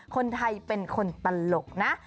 คนไทยเป็นคนตลกนะ